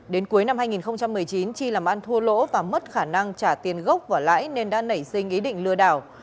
đến cuối năm hai nghìn một mươi chín chi làm ăn thua lỗ và mất khả năng trả tiền gốc và lãi nên đã nảy sinh ý định lừa đảo